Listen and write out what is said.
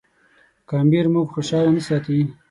که امیر موږ خوشاله نه ساتي.